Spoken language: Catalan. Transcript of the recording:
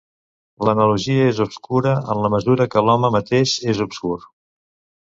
L'analogia és obscura en la mesura que l'home mateix és obscur.